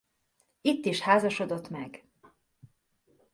Itt is házasodott meg.